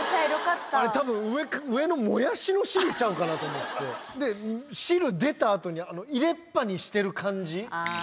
あれ多分上のもやしの汁ちゃうかなと思ってで汁出たあとに入れっぱにしてる感じ